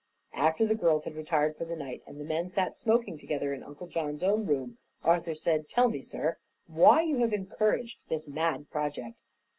After the girls had retired for the night and the men sat smoking together in Uncle John's own room, Arthur said: "Tell me, sir, why you have encouraged this mad project."